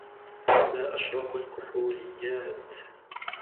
لا أشرب الكحوليات